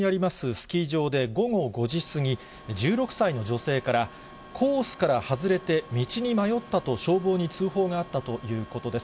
スキー場で、午後５時過ぎ、１６歳の女性から、コースから外れて道に迷ったと消防に通報があったということです。